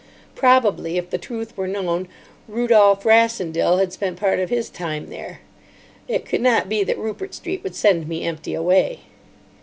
Probably, if the truth were known, Rudolf Rassendyl had spent part of his time there. It could not be that Rupert Street would send me empty away.